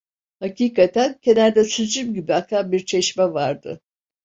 Hakikaten kenarda sicim gibi akan bir çeşme vardı.